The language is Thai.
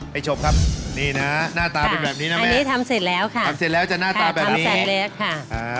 ชมครับนี่นะหน้าตาเป็นแบบนี้นะแม่นี่ทำเสร็จแล้วค่ะทำเสร็จแล้วจะหน้าตาแบบนี้ค่ะ